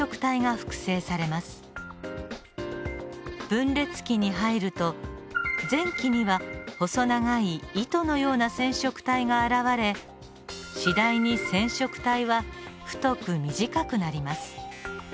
分裂期に入ると前期には細長い糸のような染色体が現れ次第に染色体は太く短くなります。